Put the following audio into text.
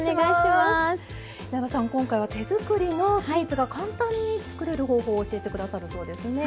今回は手づくりのスイーツが簡単につくれる方法を教えて下さるそうですね。